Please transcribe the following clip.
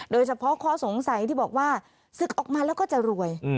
โดยเฉพาะข้อสงสัยที่บอกว่าศึกออกมาแล้วก็จะรวย